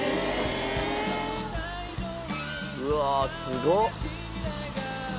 うわすごっ。